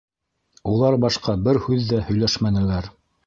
Улар башҡа бер һүҙ ҙә һөйләшмәнеләр.